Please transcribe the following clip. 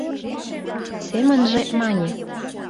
Семынже мане: